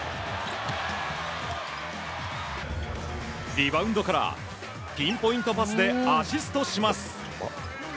リバウンドからピンポイントパスでアシストします。